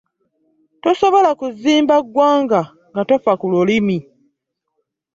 Tosobola kuzimba ggwanga nga tofa ku lulimi.